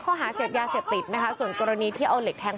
ข้อหาเสพยาเสพติดนะคะส่วนกรณีที่เอาเหล็กแทง